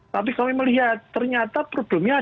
tapi kami melihat ternyata problemnya ada